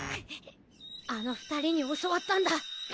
あの２人に教わったんだ。